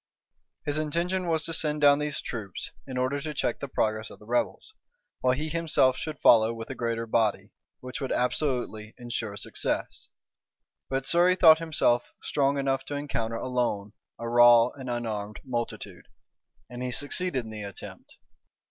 His intention was to send down these troops, in order to check the progress of the rebels; while he himself should follow with a greater body, which would absolutely insure success. But Surrey thought himself strong enough to encounter alone a raw and unarmed multitude; and he succeeded in the attempt.